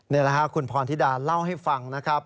นี่แหละครับคุณพรธิดาเล่าให้ฟังนะครับ